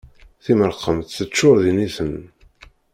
Timerqemt teččur d initen.